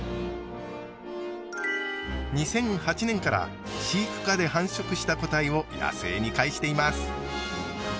２００８年から飼育下で繁殖した個体を野生にかえしています。